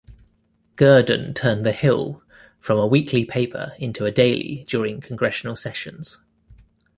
Gurdon turned "The Hill" from a weekly paper into a daily during congressional sessions.